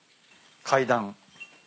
階段。